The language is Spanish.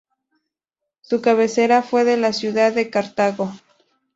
Su cabecera fue la ciudad de Cartago.